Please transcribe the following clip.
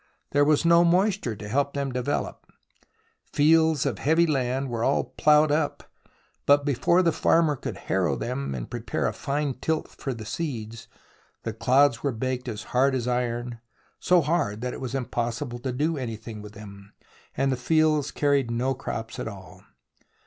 There was no moisture to help them to develop. Fields of heavy land were all ploughed up, but before the farmer could harrow them and prepare a fine tilth for the seeds, the clods were baked as hard as iron, so hard that it was impossible to do anything with them, and the fields carried no crops at all.